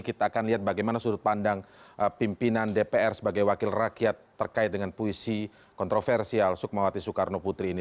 kita akan lihat bagaimana sudut pandang pimpinan dpr sebagai wakil rakyat terkait dengan puisi kontroversial sukmawati soekarno putri ini